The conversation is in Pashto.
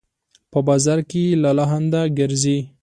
په بازار کې لالهانده ګرځي